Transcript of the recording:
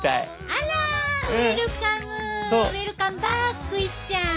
あらウエルカムウエルカムバックいっちゃん。